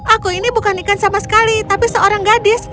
aku ini bukan ikan sama sekali tapi seorang gadis